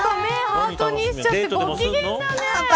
目をハートにしちゃってご機嫌だね。